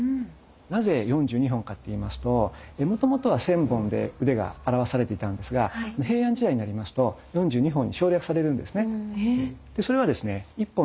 なぜ４２本かっていいますともともとは１，０００本で腕が表されていたんですが平安時代になりますと４２本に省略されるんですね。